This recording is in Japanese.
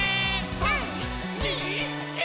３、２、１。